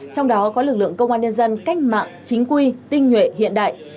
trong đó có lực lượng công an nhân dân cách mạng chính quy tinh nhuệ hiện đại